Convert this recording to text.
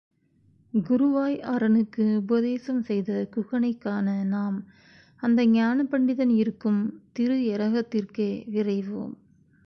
குருவாய் அரனுக்கு உபதேசம் செய்த குகனைக் காண நாம் அந்த ஞானபண்டிதன் இருக்கும் திரு ஏரகத்திற்கே விரைவோம்.